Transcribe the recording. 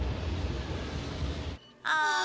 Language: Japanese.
ああ。